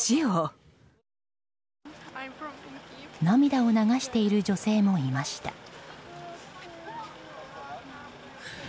涙を流している女性もいました。